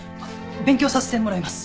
勉強させてもらいます。